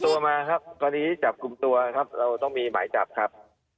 ตัวมาครับกรณีที่จับกลุ่มตัวครับเราต้องมีหมายจับครับ